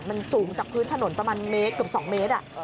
มันสูงจากพื้นถนนประมาณเมตรเกือบ๒เมตร